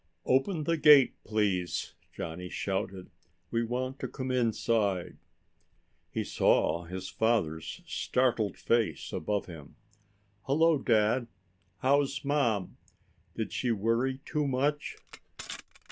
"Open the gate, please," Johnny shouted. "We want to come inside." He saw his father's startled face above him. "Hello, Dad. How's Mom? Did she worry too much?"